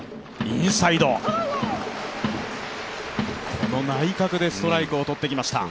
この内角でストライクを取ってきました。